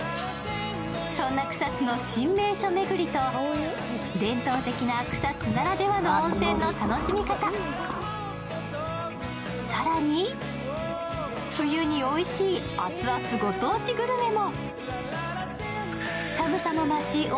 そんな草津の新名所巡りと伝統的な草津ならではの温泉の楽しみ方、更に冬においしいアツアツ御当地グルメも。